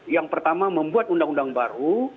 yang pertama membuat undang undang baru